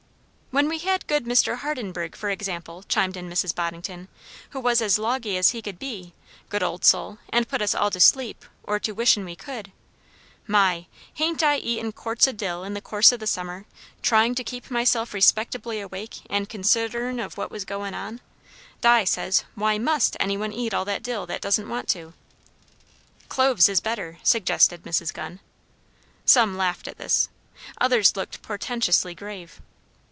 _" "When we had good Mr. Hardenburgh, for example," chimed in Mrs. Boddington, "who was as loggy as he could be; good old soul! and put us all to sleep, or to wishin' we could. My! hain't I eaten quarts o' dill in the course o' the summer, trying to keep myself respectably awake and considerin' o' what was goin' on! Di says, why must any one eat all that dill that don't want to?" "Cloves is better," suggested Miss Gunn. Some laughed at this; others looked portentously grave.